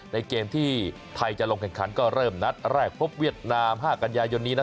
ในเกมที่ไทยจะลงแข่งขันก็เริ่มนัดแรกพบเวียดนาม๕กันยายนนี้